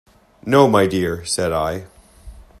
"No, my dear," said I.